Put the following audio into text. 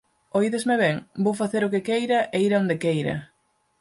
Oídesme ben? Vou facer o que queira e ir a onde queira!”